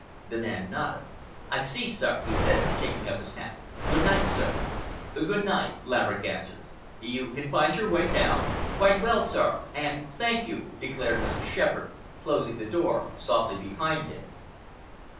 The man nodded. "I see, sir," he said, taking up his hat. "Good night, sir!" "Good night!" Laverick answered. "You can find your way down?" "Quite well, sir, and thank you," declared Mr. Shepherd, closing the door softly behind him.